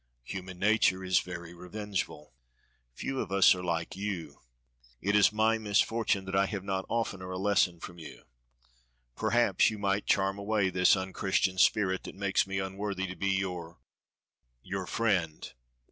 "Human nature is very revengeful. Few of us are like you. It is my misfortune that I have not oftener a lesson from you; perhaps you might charm away this unchristian spirit that makes me unworthy to be your your friend."